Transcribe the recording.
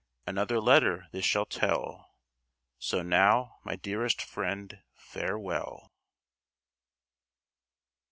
Another letter this shall tell: So now, my dearest friend, farewell.